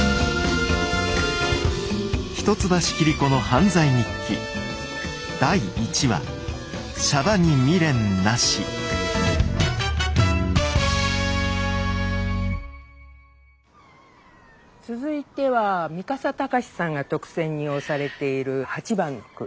俳句は続けるって続いては三笠隆さんが特選に推されている８番の句。